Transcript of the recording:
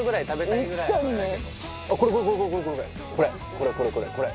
これこれこれこれ！